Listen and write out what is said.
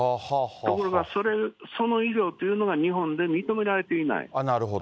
ところが、その医療というのが、日本で認められていない。